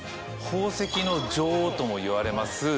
宝石の女王ともいわれます